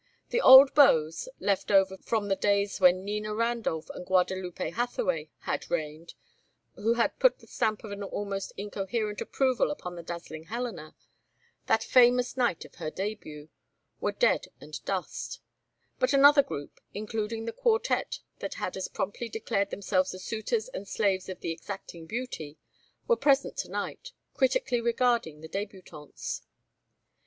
The old beaux, left over from the days when Nina Randolph and Guadalupe Hathaway had reigned, who had put the stamp of an almost incoherent approval upon the dazzling Helena, that famous night of her début, were dead and dust; but another group, including the quartet that had as promptly declared themselves the suitors and slaves of the exacting beauty, were present to night, critically regarding the débutantes.